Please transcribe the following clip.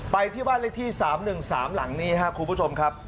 ไปที่บ้านเลขที่๓๑๓หลังนี้ครับคุณผู้ชมครับ